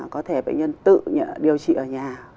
có thể bệnh nhân tự điều trị ở nhà